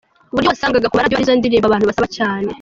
Kuburyo wasangaga ku maradiyo arizo ndirimbo abantu basaba cyane.